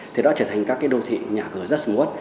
thì đã trở thành các đô thị nhà cửa rất mốt